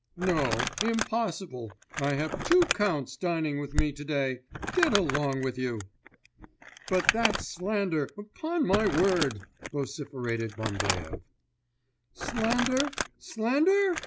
"No, impossible; I have two counts dining with me to day ... get along with you!"' 'But that's slander, upon my word!' vociferated Bambaev. 'Slander? ... slander?